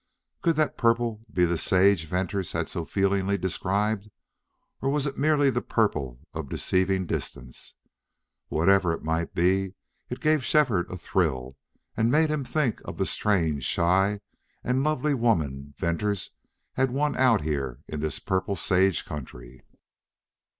Could that purple be the sage Venters had so feelingly described, or was it merely the purple of deceiving distance? Whatever it might be, it gave Shefford a thrill and made him think of the strange, shy, and lovely woman Venters had won out here in this purple sage country.